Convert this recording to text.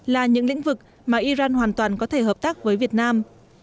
là những lĩnh vực mà iran hoàn toàn có thể hợp tác với việt nam